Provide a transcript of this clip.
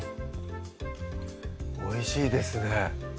おいしいですね